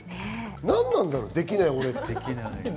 何なんだろうできない俺って。